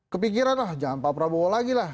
kepikiran lah jangan pak prabowo lagi lah